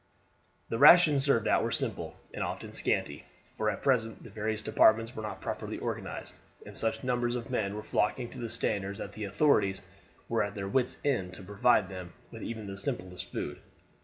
The rations served out were simple and often scanty, for at present the various departments were not properly organized, and such numbers of men were flocking to the standards that the authorities were at their wit's end to provide them with even the simplest food.